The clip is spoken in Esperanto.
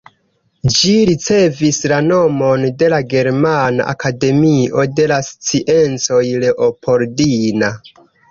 Ĝi ricevis la nomon de la Germana Akademio de la Sciencoj Leopoldina.